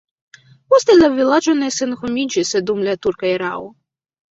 Poste la vilaĝo ne senhomiĝis dum la turka erao.